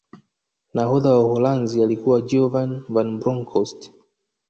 nahodha wa uholanzi alikuwa giovan van bronkhost